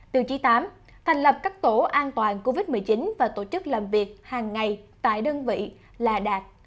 tiêu chí tám thành lập các tổ an toàn covid một mươi chín và tổ chức làm việc hàng ngày tại đơn vị là đạt